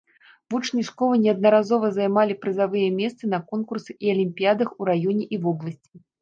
Вучні школы неаднаразова займалі прызавыя месцы на конкурсах і алімпіядах у раёне і вобласці.